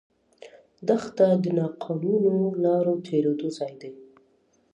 دښته د ناقانونه لارو تېرېدو ځای ده.